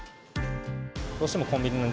どうしてもコンビニの日